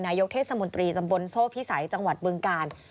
นายกเทศมนตรีตำบลโซ่พิสัยจังหวัดบึงกาล